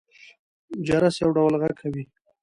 جرس يو ډول غږ کوي.